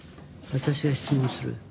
私が質問する。